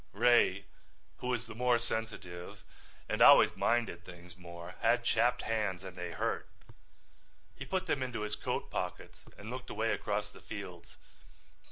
Ray, who was the more sensitive and always minded things more, had chapped hands and they hurt. He put them into his coat pockets and looked away across the fields.